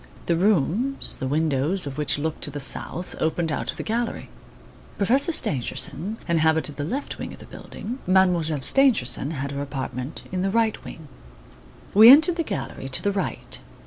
The rooms, the windows of which looked to the south, opened out of the gallery. Professor Stangerson inhabited the left wing of the building. Mademoiselle Stangerson had her apartment in the right wing. We entered the gallery to the right.